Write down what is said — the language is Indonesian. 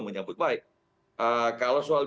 menyambut baik kalau soal